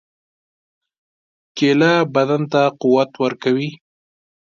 کېله بدن ته قوت ورکوي.